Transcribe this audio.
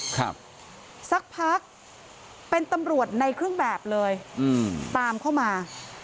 ครับสักพักเป็นตำรวจในเครื่องแบบเลยอืมตามเข้ามา